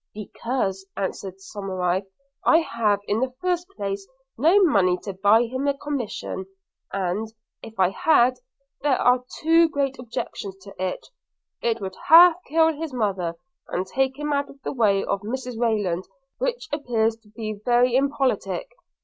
'Because,' answered Somerive, 'I have, in the first place, no money to buy him a commission; and, if I had, there are two great objections to it: – it would half kill his mother, and take him out of the way of Mrs Rayland, which appears to be very impolitic.'